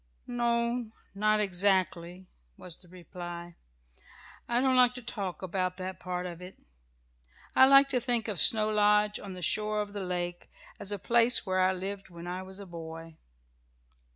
"No not exactly," was the reply. "I don't like to talk about that part of it. I like to think of Snow Lodge on the shore of the lake as a place where I lived when I was a boy.